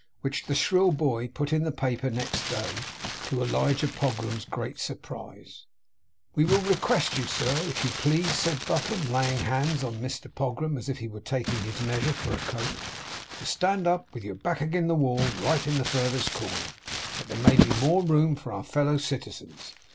Which the shrill boy put in the paper next day; to Elijah Pogram's great surprise. 'We will re quest you, sir, if you please,' said Buffum, laying hands on Mr Pogram as if he were taking his measure for a coat, 'to stand up with your back agin the wall right in the furthest corner, that there may be more room for our fellow citizens.